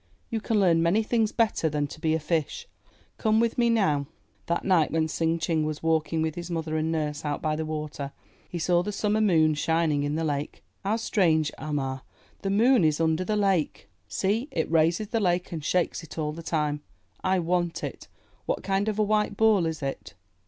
You can learn many things better than to be a fish. Come with me now." That night when Tsing Ching was walking with his mother and nurse out by the water, he saw the summer moon shining in the lake. ''How strange, Ah Ma, the moon is under the lake! See, it 392 IN THE NURSERY raises the lake and shakes it all the time. I want it. What kind of a white ball is it?